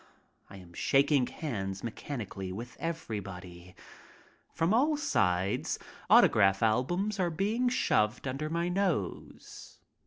I am shaking hands mechanically with everybody. From all sides autograph albums are being shoved under my nose.